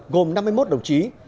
gồm năm mươi một đồng chí